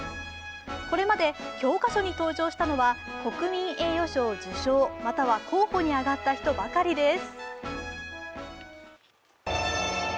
これまで教科書に登場したのは国民栄誉賞受賞、または候補に挙がった人ばかりです。